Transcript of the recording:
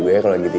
berikan aku cinta